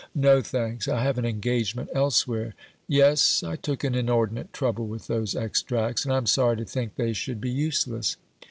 "No, thanks; I have an engagement elsewhere. Yes, I took an inordinate trouble with those extracts, and I am sorry to think they should be useless."